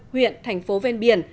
huyện thành phố ven biển